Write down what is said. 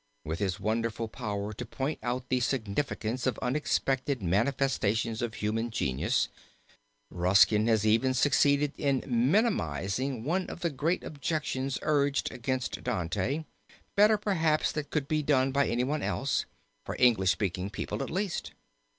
With his wonderful power to point out the significance of unexpected manifestations of human genius, Ruskin has even succeeded in minimizing one of the great objections urged against Dante, better perhaps than could be done by anyone else, for English speaking people at least.